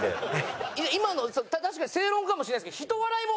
今の確かに正論かもしれないですけどいらないよね？